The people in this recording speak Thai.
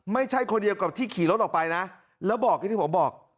ไม่ใช่คนเดียวกับที่ขี่รถออกไปนะแล้วบอกอย่างที่ผมบอก